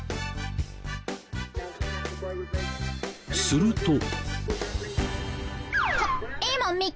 すると。